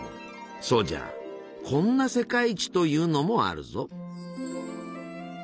そうじゃこんな「世界一」というのもあるぞ。